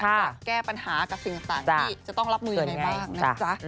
จะแก้ปัญหากับสิ่งต่างที่จะต้องรับมือยังไงบ้างนะจ๊ะ